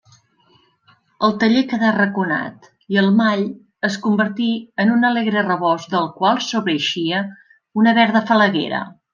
El taller quedà arraconat i el mall es convertí en un alegre rebost del qual sobreeixia una verda falaguera.